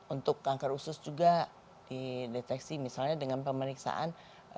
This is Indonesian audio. untuk kanker usus juga dideteksi misalnya dengan pemeriksaan